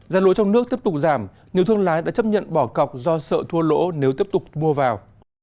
giá lúa trong nước tiếp tục giảm nhiều thương lái đã chấp nhận bỏ cọc do sợ thua lỗ nếu tiếp tục mua vào